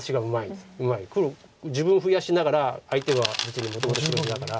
黒自分を増やしながら相手は別にもともと白地だから。